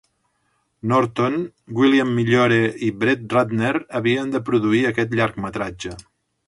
Norton, William Migliore i Brett Ratner havien de produir aquest llargmetratge.